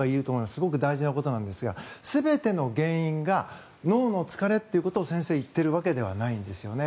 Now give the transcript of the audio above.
すごく大事なことなんですが全ての原因が脳の疲れということを先生は言ってるわけではないんですね。